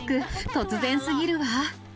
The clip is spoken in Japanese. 突然すぎるわ。